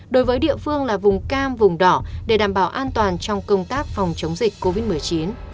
đối với địa phương là vùng cam vùng đỏ để đảm bảo an toàn trong công tác phòng chống dịch covid một mươi chín